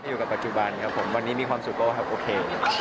อยู่กับปัจจุบันครับผมวันนี้มีความสุขก็ครับโอเค